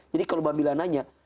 jadi kalau babila nanya